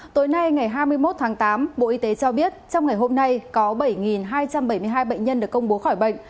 tối nay ngày hai mươi một tháng tám bộ y tế cho biết trong ngày hôm nay có bảy hai trăm bảy mươi hai bệnh nhân được công bố khỏi bệnh